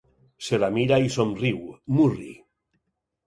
Se la mira i somriu, murri.